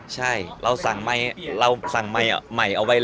ใช่เราสั่งไม็